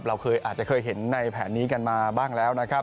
เราอาจจะเคยเห็นในแผนนี้กันมาบ้างแล้ว